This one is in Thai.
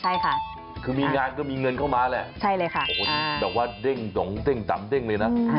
ใช่ค่ะคือมีงานก็มีเงินเข้ามาแหละโอ้โฮแบบว่าเด้งต่ำเด้งเลยนะ